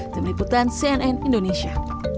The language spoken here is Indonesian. terliputan cnn indonesia